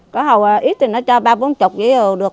có hầu ít thì nó cho ba bốn chục